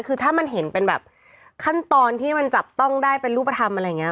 คือถ้ามันเห็นเป็นแบบขั้นตอนที่มันจับต้องได้เป็นรูปธรรมอะไรอย่างนี้